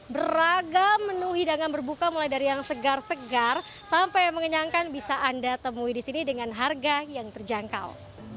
beragam menu hidangan berbuka mulai dari yang segar segar sampai mengenyangkan bisa anda temui di sini dengan harga yang terjangkau